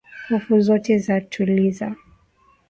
Hofu zote za tuliza